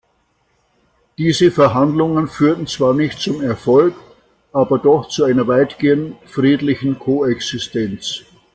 Diese Verhandlungen führten zwar nicht zum Erfolg, aber doch zu einer weitgehend friedlichen Koexistenz.